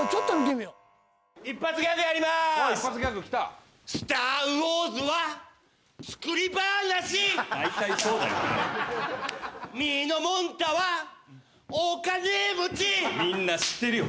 みんな知ってるよ